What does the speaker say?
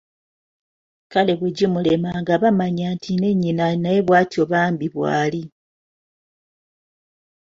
Kale bwe gimulema nga bamanya nti ne nnyina naye bwatyo bambi bwali!